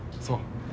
そう。